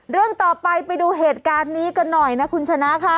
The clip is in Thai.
เรื่องต่อไปไปดูเหตุการณ์นี้กันหน่อยนะคุณชนะค่ะ